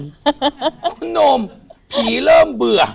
คุณหนุ่มผีเริ่มเบื่อ